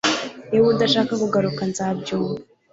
Niba udashaka kugaruka nzabyumva